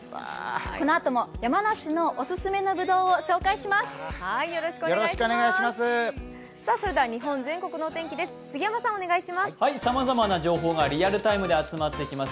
このあとも山梨のオススメのぶどうを紹介します。